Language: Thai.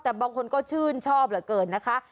แต่บางคนก็ชื่นชอบเหลือเกินนะคะ